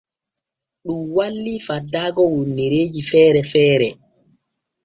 Ɗun walli faddaago wonnereeji feere feere.